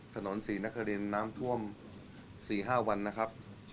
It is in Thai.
ถนนศรีนครินน้ำท่วม๔๕วันนะครับ